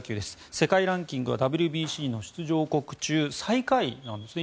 世界ランキングはＷＢＣの出場国中最下位なんですね。